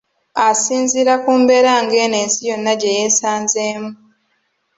Asinziira ku mbeera ngeno, ensi yonna gye yeesanzeemu